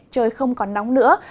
trời không còn nóng nữa